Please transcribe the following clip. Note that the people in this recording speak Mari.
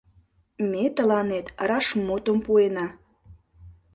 Ме тыланет раш мутым пуэна: